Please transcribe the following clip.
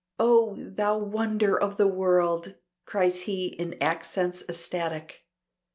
"Oh! Thou wonder of the world!" cries he in accents ecstatic.